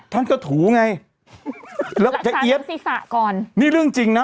ท่านก็ถูไงแล้วจะเอี๊ยดแล้วจะเอี๊ยดแล้วจะซีสะก่อนนี่เรื่องจริงน่ะ